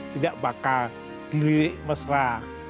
tidak bakal dililik mesra